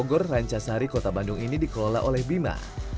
pembelajaran agor rancah sehari kota bandung ini dikelola oleh bima